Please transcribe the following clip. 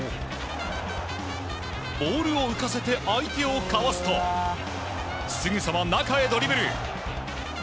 ボールを浮かせて相手をかわすとすぐさま、中へドリブル。